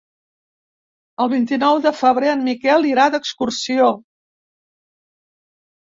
El vint-i-nou de febrer en Miquel irà d'excursió.